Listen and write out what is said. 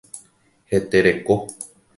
Hetereko.